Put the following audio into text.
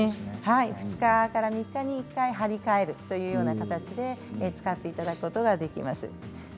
２日から３日に１回貼り替えるという形で使っていただくことができます。